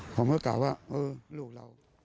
ผมก็กล่าวว่าเออลูกเรา